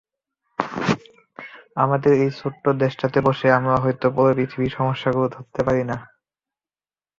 আমাদের ছোট্ট দেশটাতে বসে আমরা হয়তো পুরো পৃথিবীর সমস্যাগুলো ধরতে পারি না।